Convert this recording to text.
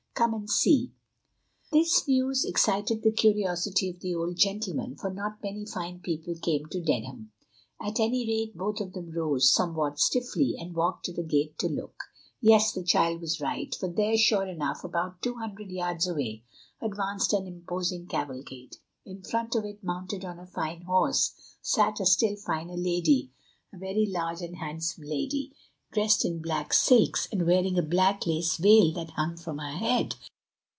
Come and see." This news excited the curiosity of the old gentlemen, for not many fine people came to Dedham. At any rate both of them rose, somewhat stiffly, and walked to the gate to look. Yes, the child was right, for there, sure enough, about two hundred yards away, advanced an imposing cavalcade. In front of it, mounted on a fine horse, sat a still finer lady, a very large and handsome lady, dressed in black silks, and wearing a black lace veil that hung from her head.